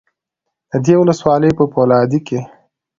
د دې ولسوالۍ په فولادي کې